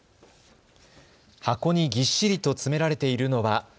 箱にぎっしりと詰められているのは。